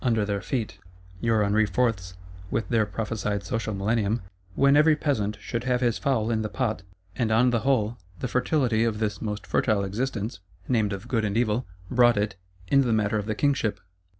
under their feet; your Henri Fourths, with their prophesied social millennium, "when every peasant should have his fowl in the pot;" and on the whole, the fertility of this most fertile Existence (named of Good and Evil),—brought it, in the matter of the Kingship.